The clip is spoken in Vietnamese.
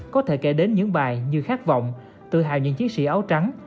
có thể kể đến những bài như khát vọng tự hào những chiến sĩ áo trắng